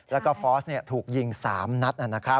แล้วก็ฟอร์สถูกยิง๓นัด